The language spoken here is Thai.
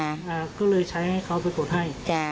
ให้เค้าไปกดให้